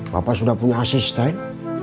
bapak sudah punya asisten